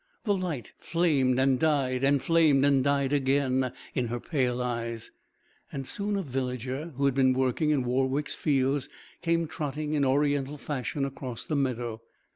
The light flamed and died and flamed and died again in her pale eyes. Soon a villager who had been working in Warwick's fields came trotting in Oriental fashion across the meadow.